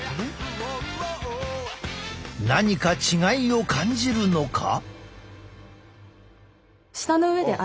何か違いを感じるのか？